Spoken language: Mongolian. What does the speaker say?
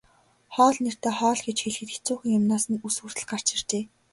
Хоол нэртэй хоол гэж хэлэхэд хэцүүхэн юмнаас нь үс хүртэл гарч иржээ.